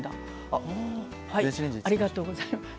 ありがとうございます。